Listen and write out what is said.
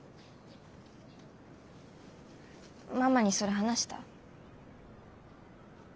ママにそれ話した？